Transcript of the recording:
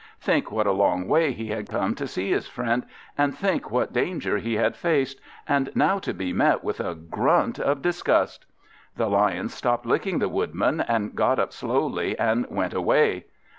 Think what a long way he had come to see his friend, and think what danger he had faced; and now to be met with a grunt of disgust! The Lion stopped licking the Woodman, and got up slowly, and went away.